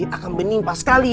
akan bening sekali ya